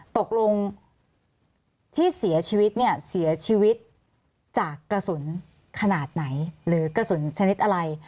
ตกลงที่เสียชีวิตเนี่ยเสียชีวิตจากกระสุนขนาดไหนหรือกระสุนชนิดอะไร